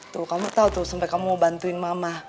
tuh kamu tahu tuh sampai kamu mau bantuin mama